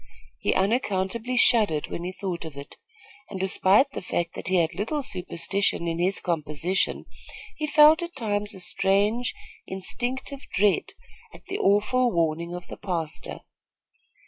He unaccountably shuddered when he thought of it, and, despite the fact that he had little superstition in his composition, he felt at times a strange instinctive dread at the awful warning of the pastor.